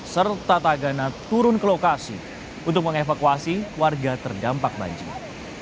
serta tagana turun ke lokasi untuk mengevakuasi warga terdampak banjir